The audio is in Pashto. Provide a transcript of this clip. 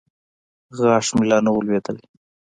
غاښ مې لا نه و لوېدلى.